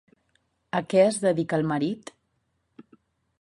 A què es dedica el marit?